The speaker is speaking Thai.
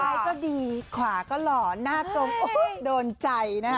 ไตล้ก็ดีกว้าครัวก็หล่อหน้าตลงโอ๊ยโดนใจนะฮะ